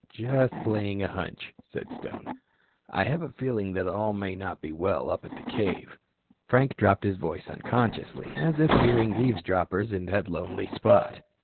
"Just playing a hunch," said Stone. "I have the feeling that all may not be well up at the cave." Frank dropped his voice unconsciously, as if fearing eavesdroppers in that lonely spot.